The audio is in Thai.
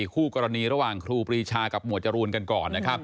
คู่กรณีระหว่างคู่ปรีชากับมวจรูนกันก่อน